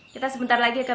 kita sebentar lagi akan